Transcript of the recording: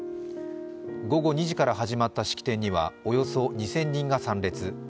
午後２時から始まった式典にはおよそ２０００人が参列。